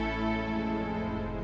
aku akan mencari tuhan